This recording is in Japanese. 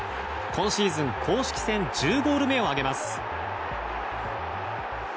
今シーズン公式戦１０ゴール目を挙げます。